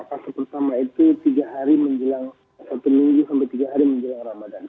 fase pertama itu tiga hari menjelang satu minggu sampai tiga hari menjelang ramadan